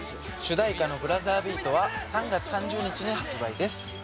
主題歌の『ブラザービート』は３月３０日に発売です。